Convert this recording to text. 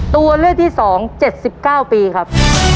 ตัวเลือกที่สองเจ็ดสิบเก้าปีครับ